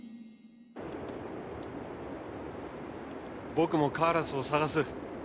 僕もカーラスを捜す。